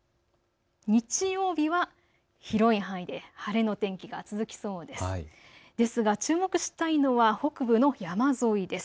日曜日は広い範囲で晴れの天気が続きそうです。